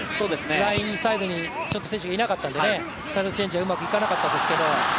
ラインサイドに選手がいなかったのでサイドチェンジがちょっとうまくいかなかったですけれども。